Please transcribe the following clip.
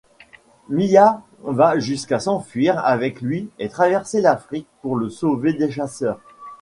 Mia va jusqu'à s'enfuir avec lui et traverser l'Afrique pour le sauver des chasseurs.